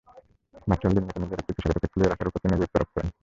Virtual দুনিয়াতে নিজের একটি পেশাগত পোর্টফলিও রাখার ওপর গুরুত্বারোপ করেন তিনি।